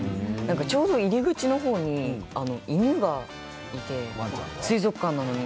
ちょうど入り口の方に犬がいて水族館なのに。